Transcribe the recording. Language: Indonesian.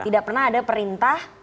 tidak pernah ada perintah